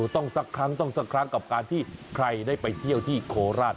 สักครั้งต้องสักครั้งกับการที่ใครได้ไปเที่ยวที่โคราช